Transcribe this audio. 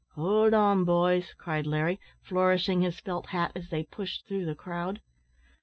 "Howld on, boys," cried Larry, flourishing his felt hat as they pushed through the crowd.